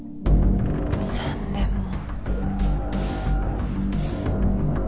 ３年も。